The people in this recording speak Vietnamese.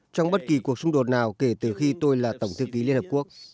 trong bất kỳ cuộc xung đột nào kể từ khi tôi là tổng thư ký liên hợp quốc